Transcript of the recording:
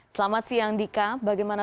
selamat siang dika